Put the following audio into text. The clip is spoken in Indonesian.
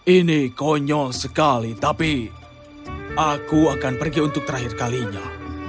ini konyol sekali tapi aku akan pergi untuk terakhir kalinya